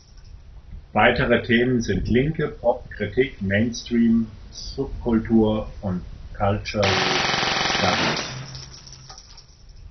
Weitere Themen sind Linke, Pop, Kritik, Mainstream, Subkultur und Cultural studies.